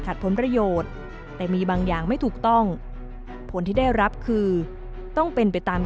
ผลประโยชน์แต่มีบางอย่างไม่ถูกต้องผลที่ได้รับคือต้องเป็นไปตาม